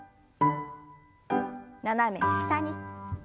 斜め下に。